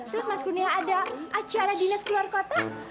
terus mas kunia ada acara dinas keluar kota